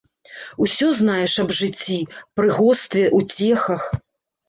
Усё, знаеш, аб жыцці, прыгостве, уцехах.